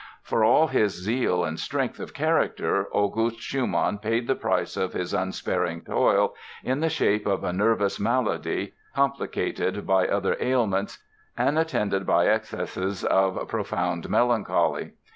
] For all his zeal and strength of character August Schumann paid the price of his unsparing toil in the shape of a nervous malady complicated by other ailments and attended by accesses of profound melancholy.